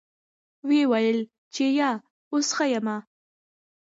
ويې ويل چې يه اوس ښه يمه.